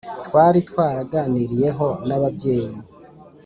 twari twaraganiriyeho na babyeyi